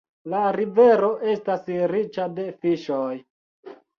La rivero estas riĉa de fiŝoj.